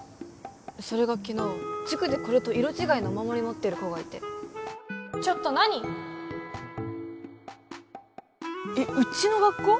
それが昨日塾でこれと色違いのお守り持ってる子がいてちょっと何！？うちの学校？